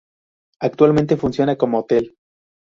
Actualmente funciona como hotel.